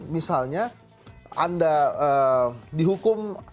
misalnya anda dihukum